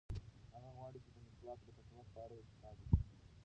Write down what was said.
هغه غواړي چې د مسواک د ګټو په اړه یو کتاب ولیکي.